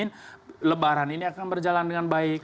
yang tentu baik untuk menjamin lebaran ini akan berjalan dengan baik